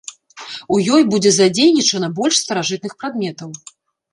У ёй будзе задзейнічана больш старажытных прадметаў.